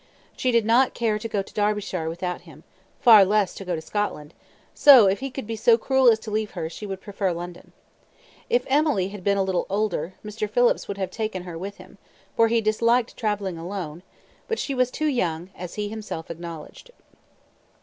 She did not care to go to Derbyshire without him, far less to go to Scotland; so, if he could be so cruel as to leave her, she would prefer London. If Emily had been a little older, Mr. Phillips would have taken her with him, for he disliked travelling alone, but she was too young, as he himself acknowledged.